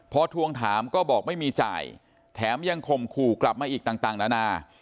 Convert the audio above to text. พอทวงถามก็บอกไม่มีจ่ายแถมยังข่มขู่กลับมาอีกต่างนานา